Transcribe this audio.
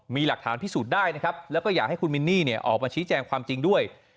มีหลักฐานพิสูจน์ได้นะครับแล้วก็อยากให้คุณมินนี่ออกมาชี้แจงความจริงด้วย